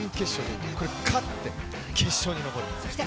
勝って決勝に残る。